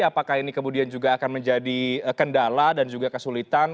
apakah ini kemudian juga akan menjadi kendala dan juga kesulitan